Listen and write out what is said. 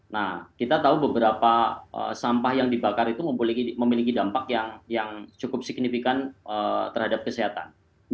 nah kita tahu beberapa sampah yang dibakar itu memiliki dampak yang cukup signifikan terhadap kesehatan